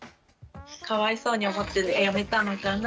かわいそうに思ってやめたのかなって。